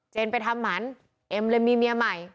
ไปทำหมันเอ็มเลยมีเมียใหม่